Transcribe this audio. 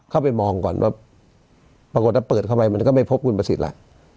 เข้าไปมองก่อนว่าปรากฏว่าเปิดเข้าไปมันก็ไม่พบคุณประสิทธิ์ล่ะ